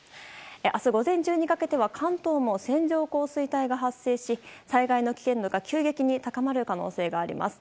明日午前中にかけては関東も線状降水帯が発生し災害の危険度が急激に高まる可能性があります。